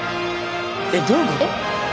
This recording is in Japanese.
えっどういうこと？